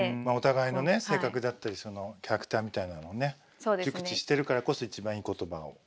まあお互いのね性格だったりキャラクターみたいなのをね熟知してるからこそ一番いい言葉を。